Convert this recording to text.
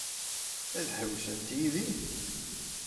Ad ḥewwsent yid-i?